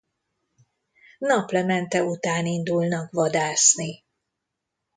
Naplemente után indulnak vadászni.